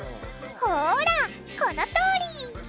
ほらこのとおり！